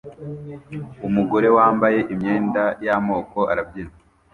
Umugore wambaye imyenda y'amoko arabyina